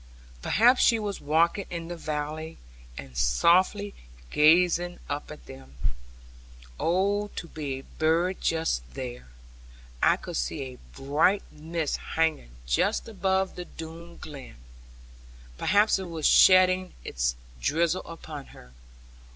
Perhaps she was walking in the valley, and softly gazing up at them. Oh, to be a bird just there! I could see a bright mist hanging just above the Doone Glen. Perhaps it was shedding its drizzle upon her.